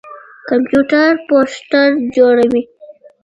کمپيوټر پوسټر جوړوي.